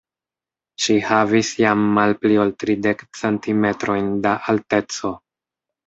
Ŝi havis jam malpli ol tridek centimetrojn da alteco.